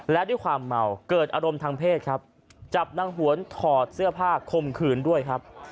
และด้วยความเมาเกิดอารมณ์ทางเพศครับจับนางหวนถอดเสื้อผ้าคมคืนด้วยครับ